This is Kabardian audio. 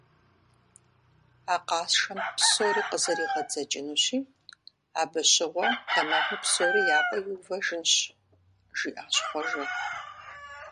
А къасшэм псори къызэригъэдзэкӀынущи, абы щыгъуэ тэмэму псори я пӀэм иувэжынщ, - жиӀащ Хъуэжэ.